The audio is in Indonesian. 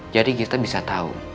jadi kita bisa tahu